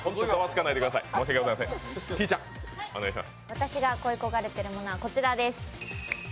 私が恋焦がれているものはこちらです。